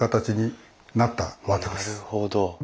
なるほど。